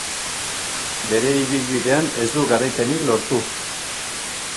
Bere ibilbidean ez du garaipenik lortu.